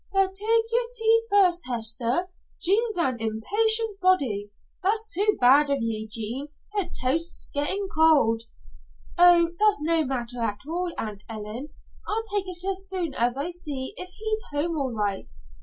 "But tak' yer tea first, Hester. Jean's an impatient body. That's too bad of ye, Jean; her toast's gettin' cold." "Oh, that's no matter at all, Aunt Ellen. I'll take it as soon as I see if he's home all right.